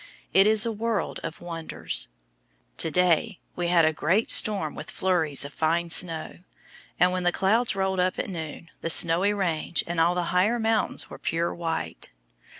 It is a world of wonders. To day we had a great storm with flurries of fine snow; and when the clouds rolled up at noon, the Snowy Range and all the higher mountains were pure white.